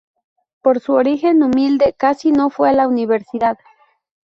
Por su origen humilde, casi no fue a la universidad.